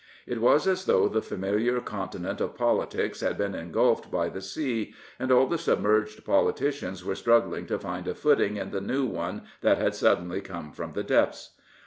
It was as though the familiar continent of politics had been engulfed by the sea, and all the submerged politicians were struggling to find a footing in the new one that had suddenly come from the depths.